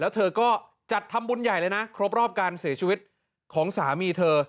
แล้วเธอก็จัดทำบุญใหญ่เลยนะครบรอบการเสียชีวิตของสามีเธอ